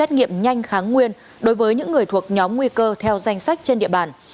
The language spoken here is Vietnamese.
xét nghiệm nhanh kháng nguyên đối với những người thuộc nhóm nguy cơ theo danh sách trên địa bàn